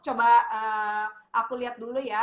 coba aku lihat dulu ya